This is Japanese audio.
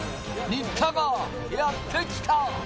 新田がやって来た。